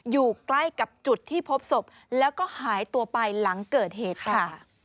อยู่ใกล้กับจุดที่พบศพแล้วก็หายตัวไปหลังเกิดเหตุค่ะ